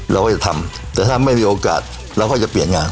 เราก็จะทำแต่ถ้าไม่มีโอกาสเราก็จะเปลี่ยนงาน